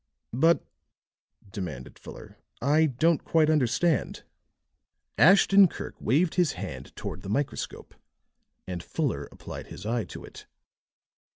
"But," demanded Fuller, "I don't quite understand." Ashton Kirk waved his hand toward the microscope, and Fuller applied his eye to it.